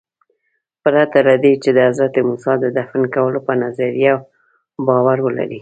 پرته له دې چې د حضرت موسی د دفن کولو په نظریه باور ولرئ.